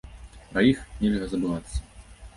Пра іх нельга забывацца.